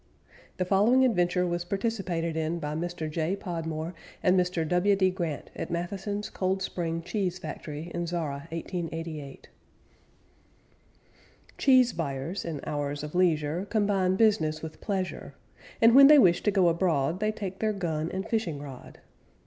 The following adventure was participated in by Mr. J. Podmore and Mr. W. D. Grant at Matheson's Cold Spring Cheese Factory in Zorra, 1888. Cheese buyers in hours of leisure Combine business with pleasure, And when they wish to go abroad They take their gun and fishing rod.